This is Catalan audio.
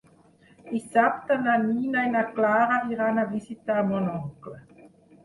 Dissabte na Nina i na Clara iran a visitar mon oncle.